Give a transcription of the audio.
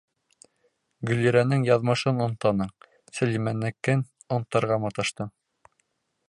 Гөллирәнең яҙмышын онтаның, Сәлимәнекен онтарға маташтың.